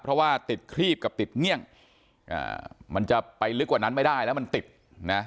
เพราะว่าติดครีบกับติดเงี่ยงมันจะไปลึกกว่านั้นไม่ได้แล้วมันติดนะ